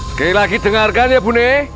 sekali lagi dengarkan ya buni